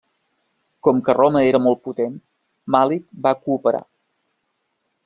Com que Roma era molt potent, Màlic va cooperar.